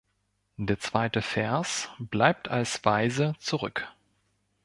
Der zweite Vers bleibt als Waise zurück.